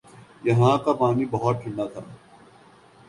یہاں کا پانی بہت ٹھنڈا تھا ۔